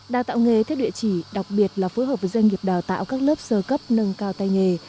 đào tạo nghề theo địa chỉ đặc biệt là phối hợp với doanh nghiệp đào tạo các lớp sơ cấp nâng cao tay nghề